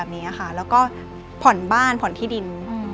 แล้วก็ผ่อนบ้านผ่อนที่ดิน